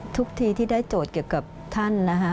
ทุกทีที่ได้โจทย์เกี่ยวกับท่านนะคะ